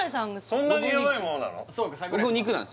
そんなに弱いものなの？